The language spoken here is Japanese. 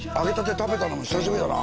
食べたのも久しぶりだな。